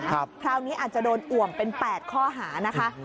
คราวนี้อาจจะโดนอ่วมเป็น๘ข้อหานะคะ